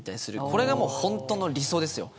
これが本当の理想ですよ。